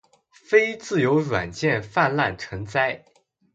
非自由软件泛滥成灾